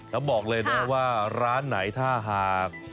แล้วบอกเลยนะว่าร้านไหนถ้าหาก